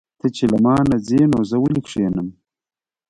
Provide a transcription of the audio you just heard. ته چې له مانه ځې نو زه ولې کښېنم.